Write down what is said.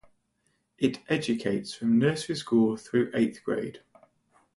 It educates from nursery school through eighth grade.